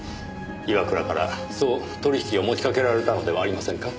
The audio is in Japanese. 岩倉からそう取引を持ちかけられたのではありませんか？